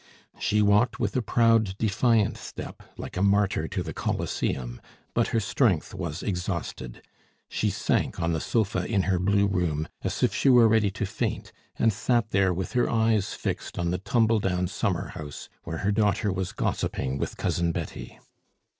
She walked with a proud, defiant step, like a martyr to the Coliseum, but her strength was exhausted; she sank on the sofa in her blue room, as if she were ready to faint, and sat there with her eyes fixed on the tumble down summer house, where her daughter was gossiping with Cousin Betty.